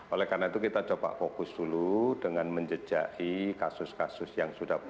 oleh karena itu kita coba fokus dulu dengan menjejaki kasus kasus yang sudah berlaku